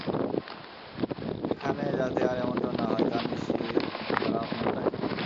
এখানে যাতে আর এমনটা না হয় তা নিশ্চিত করা আপনার দ্বায়িত্ব।